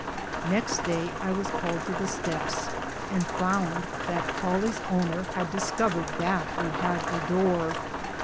Next day I was called to the steps, and found that Polly's owner had discovered that we had a door.